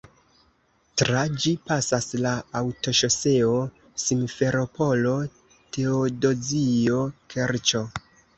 Tra ĝi pasas la aŭtoŝoseo Simferopolo-Teodozio-Kerĉo.